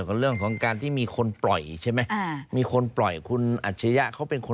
เป็นอย่างนั้น